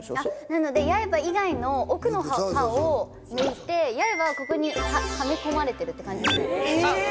なので八重歯以外の奥の歯を抜いて八重歯はここにはめ込まれてる感じですね。